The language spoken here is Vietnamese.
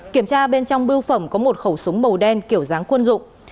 kiểm tra bên trong bưu phẩm có một khẩu súng màu đen kiểu dáng quân dụng